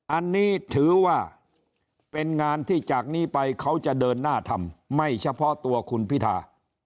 อันนี้ถือว่าเป็นงานที่จากนี้ไปเขาจะเดินหน้าทำไม่เฉพาะตัวคุณพิธา